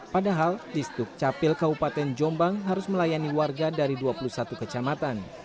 padahal di sdukcapil kabupaten jombang harus melayani warga dari dua puluh satu kecamatan